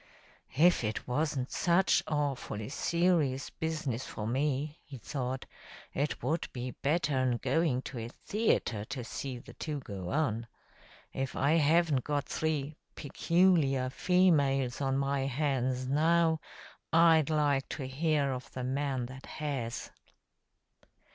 "If it wasn't such awfully serious business for me," he thought, "it would be better'n going to a theater to see the two go on. If I haven't got three 'peculiar females' on my hands now, I'd like to hear of the man that has."